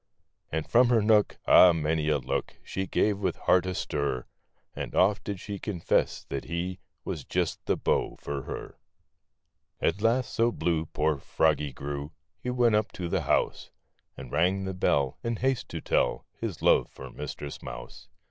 And from her nook ! ah many a look She gave, with heart a stir ; And oft did she confess that he Was just the beau for her. THE FROG AND THE MOUSE. At last so blue poor froggy grew, He went up to the house And rang the bell, in haste to tell His love for Mistress Mouse.